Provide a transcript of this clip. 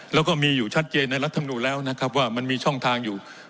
แล้วก็มีอยู่ชัดเจนในรัฐมนุนแล้วนะครับว่ามันมีช่องทางอยู่